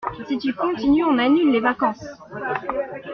Si tu continues, on annule les vacances.